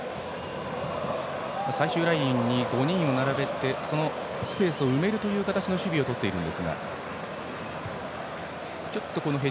最終ラインに５人を並べてそのスペースを埋める形の守備をとっていますが。